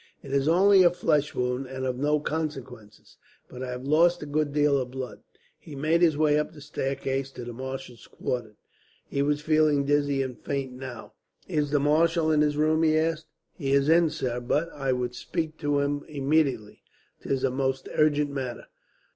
"It is only a flesh wound, and of no consequence; but I have lost a good deal of blood." He made his way up the staircase to the marshal's quarters. He was feeling dizzy and faint, now. "Is the marshal in his room?" he asked. "He is in, sir, but " "I would speak to him immediately. 'Tis a most urgent matter."